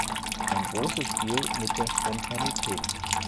Ein grosses Spiel mit der Spontaneität.